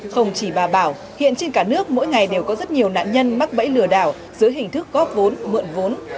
không chỉ bà bảo hiện trên cả nước mỗi ngày đều có rất nhiều nạn nhân mắc bẫy lừa đảo dưới hình thức góp vốn mượn vốn